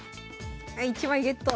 はい１枚ゲット！